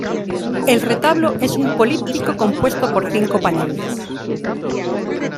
El retablo es un políptico compuesto por cinco paneles.